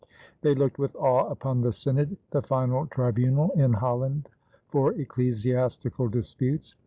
They looked with awe upon the synod, the final tribunal in Holland for ecclesiastical disputes.